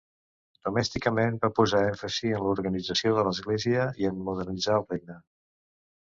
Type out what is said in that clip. Domèsticament va posar èmfasi en l'organització de l'església i en modernitzar el regne.